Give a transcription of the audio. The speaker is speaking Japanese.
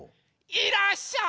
いらっしゃい！